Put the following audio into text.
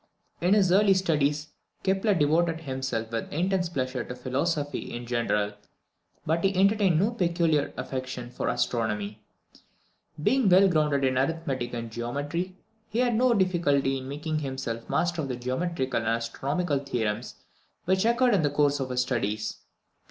In his early studies, Kepler devoted himself with intense pleasure to philosophy in general, but he entertained no peculiar affection for astronomy. Being well grounded in arithmetic and geometry, he had no difficulty in making himself master of the geometrical and astronomical theorems which occurred in the course of his studies.